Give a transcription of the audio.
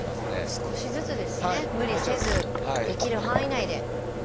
少しずつですね無理せずできる範囲内で。